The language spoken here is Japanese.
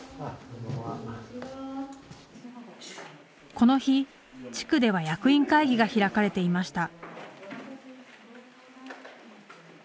この日、地区では役員会議が開かれていました。